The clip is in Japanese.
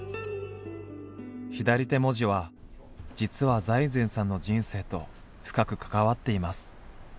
左手文字は実は財前さんの人生と深く関わっています。